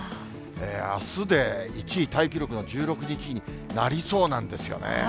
あすで１位タイ記録の１６日になりそうなんですよね。